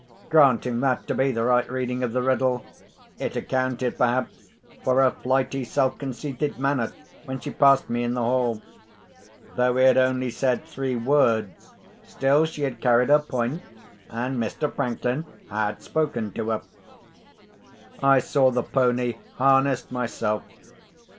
Granting that to be the right reading of the riddle, it accounted, perhaps, for her flighty, self conceited manner when she passed me in the hall. Though he had only said three words, still she had carried her point, and Mr. Franklin had spoken to her. I saw the pony harnessed myself.